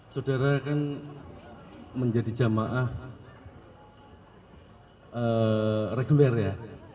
saudara kan menjadi jamaah reguler ya